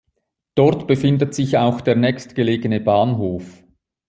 Dort befindet sich auch der nächstgelegene Bahnhof.